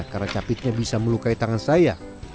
karena capitnya bisa melukai tangan saya